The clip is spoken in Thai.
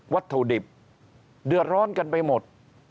วัตถุดิบเดือดร้อนกันไปหมด